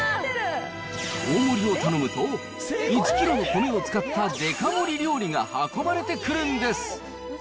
大盛りを頼むと、１キロの米を使ったデカ盛り料理が運ばれてくるんです。